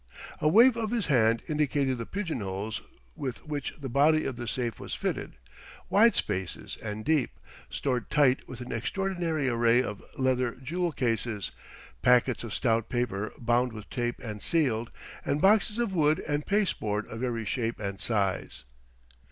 A wave of his hand indicated the pigeonholes with which the body of the safe was fitted: wide spaces and deep, stored tight with an extraordinary array of leather jewel cases, packets of stout paper bound with tape and sealed, and boxes of wood and pasteboard of every shape and size.